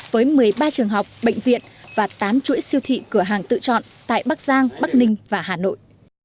với một mươi ba trường học bệnh viện và tám chuỗi siêu thị cửa hàng tự chọn tại bắc giang bắc ninh và hà nội